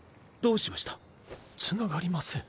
つながりません。